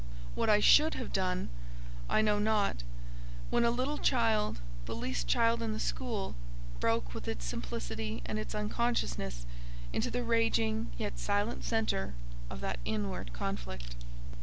What I should have done, I know not, when a little child—the least child in the school—broke with its simplicity and its unconsciousness into the raging yet silent centre of that inward conflict.